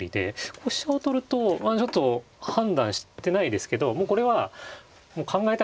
これ飛車を取るとちょっと判断してないですけどもうこれは考えたくないぐらい。